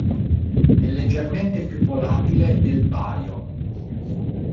È leggermente più volatile del bario.